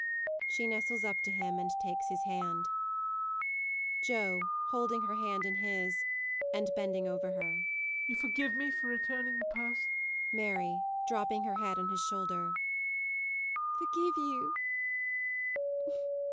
[She nestles up to him and takes his hand. JOE. [Holding her hand in his, and bending over her.] You forgive me for returning the purse? MARY. [Dropping her head on his shoulder.] Forgive you!